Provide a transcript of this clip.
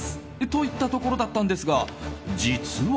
といったところだったんですが実は。